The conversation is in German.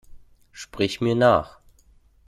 Sprich mir nach!